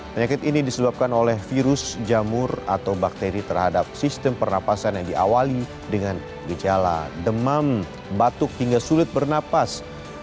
penyakit ini disebabkan oleh virus jamur atau bakteri terhadap sistem pernafasan yang diawali dengan gejala demam batuk hingga sulit bernapas